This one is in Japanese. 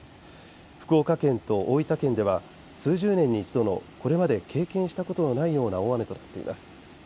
福岡県と大分県では数十年に一度のこれまで経験したことのないような大雨となっています。